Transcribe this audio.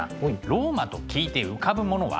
ローマと聞いて浮かぶものは？